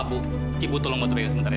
ma bu ibu tolong buat sekerja sebentar ya